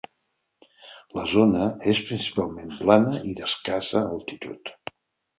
La zona és principalment plana i d'escassa altitud.